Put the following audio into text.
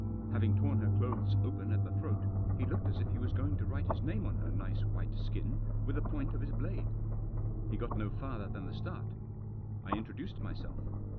Having torn her clothes open at the throat, he looked as if he was going to write his name on her nice white skin with the point of his blade. He got no farther than the start. I introduced myself.